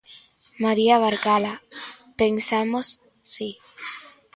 María Barcala: Pensamos, si.